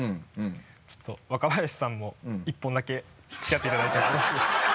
ちょっと若林さんも１本だけ付き合っていただいてよろしいですか？